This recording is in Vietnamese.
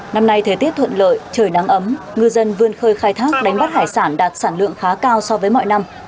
năm nay thời tiết thuận lợi trời nắng ấm ngư dân vươn khơi khai thác đánh bắt hải sản đạt sản lượng khá cao so với mọi năm